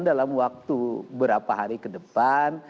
dalam waktu berapa hari ke depan